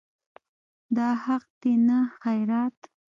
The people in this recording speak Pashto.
دا حق دی نه خیرات.